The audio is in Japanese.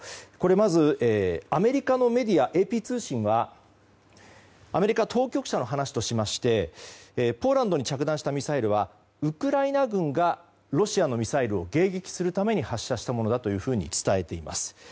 まずアメリカのメディアＡＰ通信はアメリカ当局者の話としましてポーランドに着弾したミサイルはウクライナ軍がロシアのミサイルを迎撃するため発射したものだと伝えています。